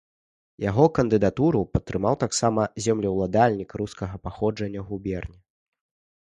Яго кандыдатуру падтрымалі таксама землеўладальнікі рускага паходжання ў губерні.